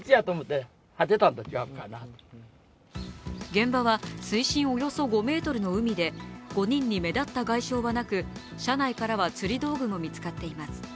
現場は水深およそ５ｍの海で５人に目立った外傷はなく、車内からは釣り道具も見つかっています。